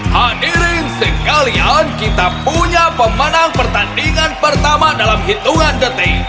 hadirin sekalian kita punya pemenang pertandingan pertama dalam hitungan detik